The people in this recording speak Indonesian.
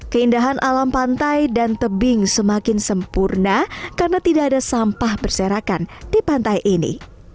keindahan alam pantai dan tebing semakin sempurna karena tidak ada sampah berserakan di pantai ini